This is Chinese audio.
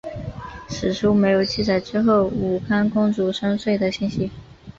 史书没有记载之后武康公主生卒的信息。